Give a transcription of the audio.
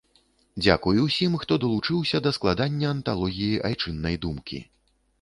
Дзякуй усім, хто далучыўся да складання анталогіі айчыннай думкі!